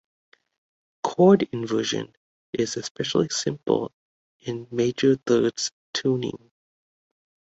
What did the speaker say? Chord inversion is especially simple in major-thirds tuning.